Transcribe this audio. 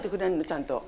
ちゃんと。